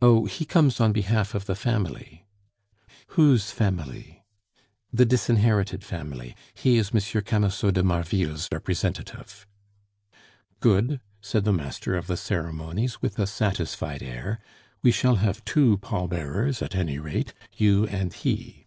"Oh! he comes on behalf of the family." "Whose family?" "The disinherited family. He is M. Camusot de Marville's representative." "Good," said the master of the ceremonies, with a satisfied air. "We shall have two pall bearers at any rate you and he."